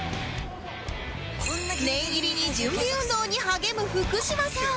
念入りに準備運動に励む福島さん